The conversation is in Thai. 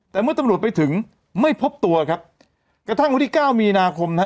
แต่เมื่อตำรวจไปถึงไม่พบตัวครับกระทั่งวันที่เก้ามีนาคมนะฮะ